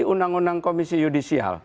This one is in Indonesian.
undang undang komisi yudisial